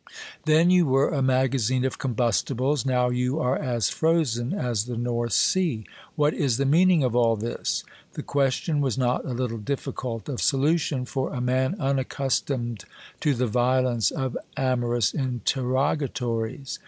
Then you were a magazine of combustibles, now you are as frozen as the north sea. What is the meaning of all this ? The question was not a little difficult of solution, for a man unaccustomed to the violence of amorous interrogatories.